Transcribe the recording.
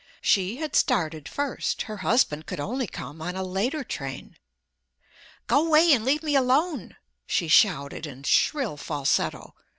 She had started first—her husband could only come on a later train. "Go 'way and leave me alone," she shouted in shrill falsetto.